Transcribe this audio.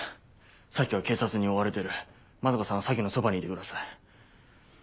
咲は警察に追われてる円さんは咲のそばにいてください。